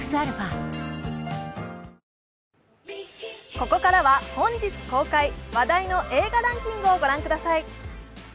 ここからは本日公開、話題の映画ランキングを御覧ください。